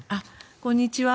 こんにちは。